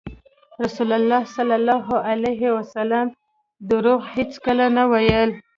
رسول الله ﷺ دروغ هېڅکله نه ویل.